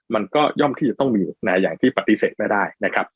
มันก็ย่อมที่จะต้องมีอย่างที่ปฏิเสธไม่ได้นะครับ